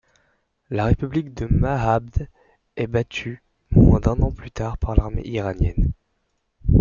La République de Mahabd est battue moins d'un an plus tard par l’armée iranienne.